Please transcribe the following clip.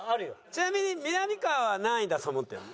ちなみにみなみかわは何位だと思ってるの？